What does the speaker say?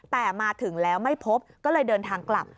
แต่มาถึงแล้วไม่พบก็เลยเดินทางกลับ